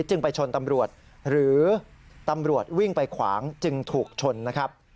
จึงไปชนตำรวจหรือตำรวจวิ่งไปขวางจึงถูกชนนะครับ